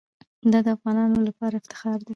دا د افغانانو لپاره افتخار دی.